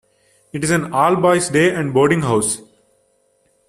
It is an all boys day and boarding house.